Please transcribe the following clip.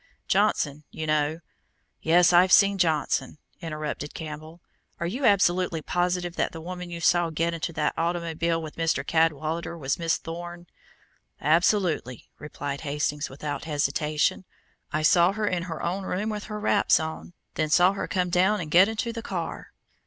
Johnson, you know " "Yes, I've seen Johnson," interrupted Campbell. "Are you absolutely positive that the woman you saw get into the automobile with Mr. Cadwallader was Miss Thorne?" "Absolutely," replied Hastings without hesitation. "I saw her in her own room with her wraps on, then saw her come down and get into the car."